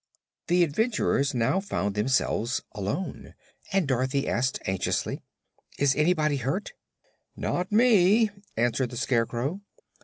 The adventurers now found themselves alone, and Dorothy asked anxiously: "Is anybody hurt?" "Not me," answered the Scarecrow.